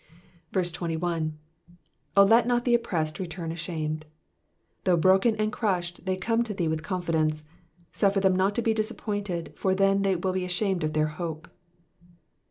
21. ^^0 let not the oppressed return ashamed^ Though broken and crushed they come to thee with confidence ; suffer them not to be disappointed, for then they will be ashamed of their hope.